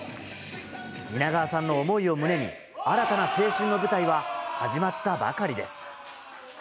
蜷川さんの思いを胸に、新たな青春の舞台は始まったばかりです。